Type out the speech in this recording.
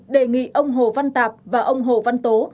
đề nghị ông hồ văn tạp và ông hồ văn tố